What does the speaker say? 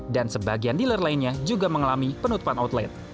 dan sebagian dealer lainnya juga mengalami penutupan outlet